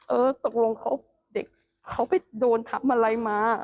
เออตกลงเขาไปโดนทำอะไรมา